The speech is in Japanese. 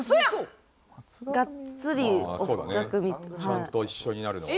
ちゃんと一緒になるのは。